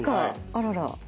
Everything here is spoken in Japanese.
あらら。